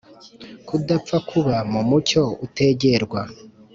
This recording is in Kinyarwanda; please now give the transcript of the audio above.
kudapfa k uba mu mucyo utegerwa